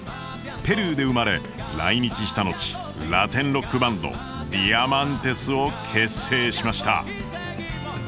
ペルーで生まれ来日した後ラテンロックバンド「ＤＩＡＭＡＮＴＥＳ」を結成しました。